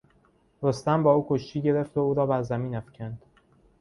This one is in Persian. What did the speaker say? رستم با او کشتی گرفت و او را بر زمین افکند.